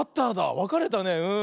わかれたねうん。